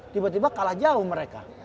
tiba tiba kalah jauh mereka